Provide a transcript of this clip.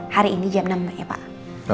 hari ini jam enam ya pak